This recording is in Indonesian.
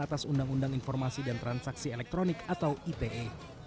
atas undang undang informasi dan transaksi elektronik atau ipe